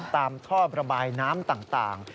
ท่อระบายน้ำต่าง